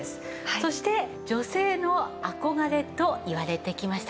そして女性の憧れといわれてきました